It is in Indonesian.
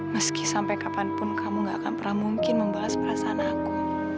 meski sampai kapanpun kamu gak akan pernah mungkin membahas perasaan aku